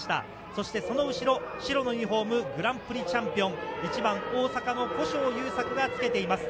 そしてその後ろ、白のユニホーム、グランプリチャンピオン、１番大阪の古性優作がつけています。